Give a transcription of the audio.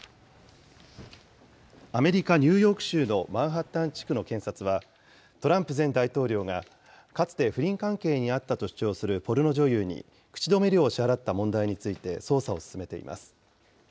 アメリカ・ニューヨーク州のマンハッタン地区の検察は、トランプ前大統領がかつて不倫関係にあったと主張するポルノ女優に口止め料を支払った問題について捜査を進めています。